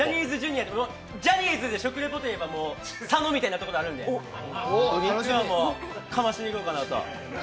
ジャニーズで食レポといえば佐野みたいなところがあるのでかましにいこうかなと。